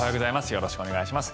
よろしくお願いします。